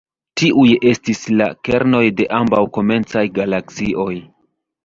Tiuj estis la kernoj de ambaŭ komencaj galaksioj.